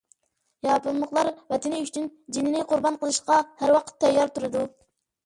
ياپونلۇقلار ۋەتىنى ئۈچۈن جېنىنى قۇربان قىلىشقا ھەر ۋاقىت تەييار تۇرىدۇ.